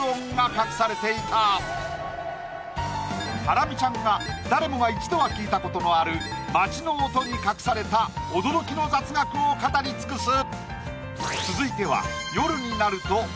ハラミちゃんが誰もが一度は聞いたことのある街の音に隠された驚きの雑学を語り尽くす！